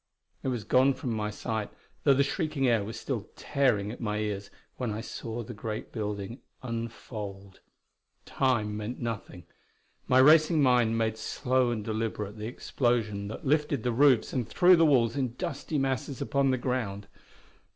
It was gone from my sight, though the shrieking air was still tearing at my ears, when I saw the great building unfold. Time meant nothing; my racing mind made slow and deliberate the explosion that lifted the roofs and threw the walls in dusty masses upon the ground.